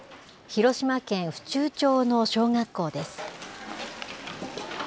広島県府中町の小学校です。